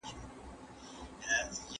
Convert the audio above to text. آيا سياست د ټولني د رهبرۍ وسيله ده؟